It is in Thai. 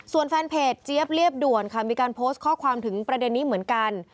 ส่วนแฟนเพจเจี๊ยบเรียบด่วนค่ะมีการโพสต์ข้อความถึงประเด็นนี้เหมือนกัน